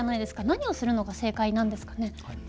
何をするのが正解なんですかね。